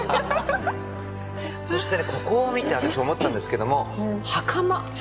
そしてここを見て私思ったんですけども袴。